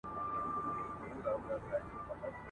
شپه تاریکه ده نګاره چي رانه سې !.